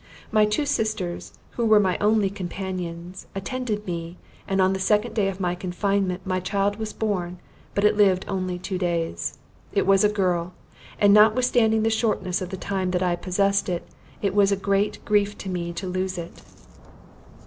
My two sisters, who were my only companions, attended me, and on the second day of my confinement my child was born but it lived only two days. It was a girl: and notwithstanding the shortness of the time that I possessed it, it was a great grief to me to lose it.